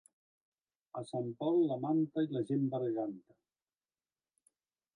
A Sant Pol, la manta i la gent berganta.